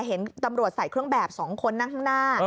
เห็นตำรวจใส่เครื่องแบบ๒คนนั่งข้างหน้า